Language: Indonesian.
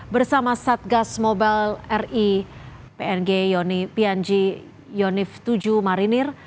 bersama satgas mobile ri png pianji yonif tujuh marinir